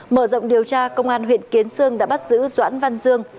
mở rộng điều tra công an huyện kiến sương đã bắt giữ doãn văn dương